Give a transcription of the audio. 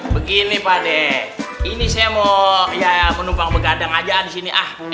begini pade ini saya mau ya menumpang begadang aja di sini ah